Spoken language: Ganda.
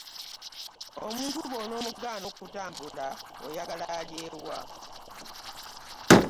Omuntu bw'omugaana okutambula oyagala alye wa?